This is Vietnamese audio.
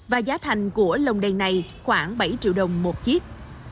và giá thành của lồng đèn này khoảng bảy triệu đồng một chiếc